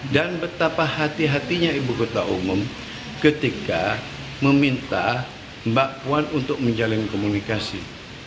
dan betapa hati hatinya ibu ketua umum ketika meminta mbak puan untuk menjalin komunikasi